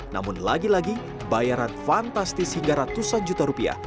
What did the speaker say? namun lagi lagi bayaran fantastis hingga ratusan juta rupiah